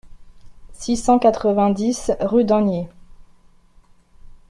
six cent quatre-vingt-dix rue d'Anhiers